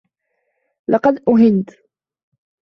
لقد أهنت